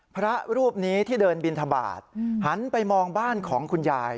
พระรูปนี้ที่เดินบินทบาทหันไปมองบ้านของคุณยาย